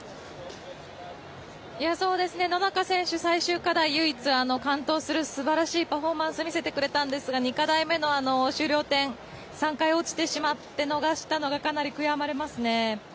野中選手、最終課題、唯一完登するすばらしいパフォーマンス見せてくれたんですが２課題目の終了点３回落ちてしまって逃したのがかなり悔やまれますね。